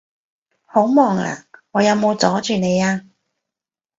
好忙呀？我有冇阻住你呀？